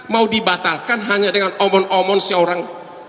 mau dibatalkan hanya dengan omong omon seorang